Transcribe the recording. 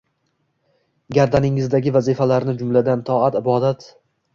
Gardaningizdagi vazifalarni jumladan, toat-ibodat